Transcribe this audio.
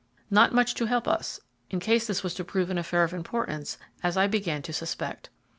Not much to help us, in case this was to prove an affair of importance as I began to suspect.